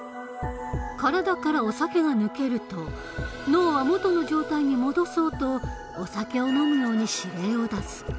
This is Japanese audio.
体からお酒が抜けると脳は元の状態に戻そうとお酒を飲むように指令を出す。